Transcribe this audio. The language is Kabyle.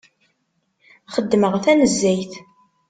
Xeddmeɣ tanezzayt.